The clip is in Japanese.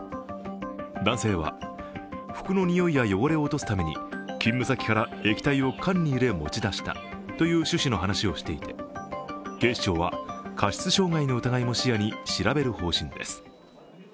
男性は服のにおいや汚れを落とすために勤務先から液体を缶に入れ持ち出したという趣旨の話をしていて、警視庁は過失傷害の疑いも視野に調べる方針です。